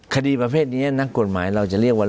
คดีประเภทนี้นักกฎหมายเราจะเรียกว่า